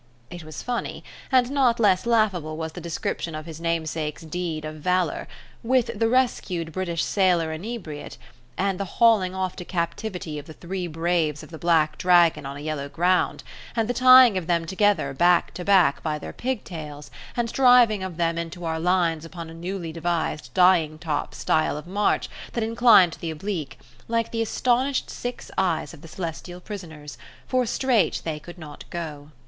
It was funny; and not less laughable was the description of his namesake's deed of valour: with the rescued British sailor inebriate, and the hauling off to captivity of the three braves of the black dragon on a yellow ground, and the tying of them together back to back by their pigtails, and driving of them into our lines upon a newly devised dying top style of march that inclined to the oblique, like the astonished six eyes of the celestial prisoners, for straight they could not go.